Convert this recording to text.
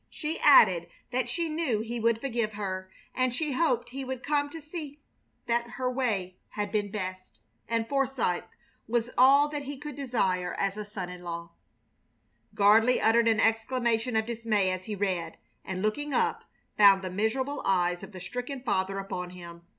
She added that she knew he would forgive her, and she hoped he would come to see that her way had been best, and Forsythe was all that he could desire as a son in law. Gardley uttered an exclamation of dismay as he read, and, looking up, found the miserable eyes of the stricken father upon him.